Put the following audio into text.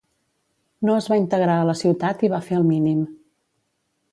No es va integrar a la ciutat i va fer el mínim